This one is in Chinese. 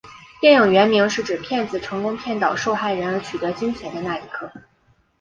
电影原名是指骗子成功骗倒受害人而取得金钱的那一刻。